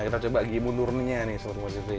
nah kita coba mundurnya nih solar positive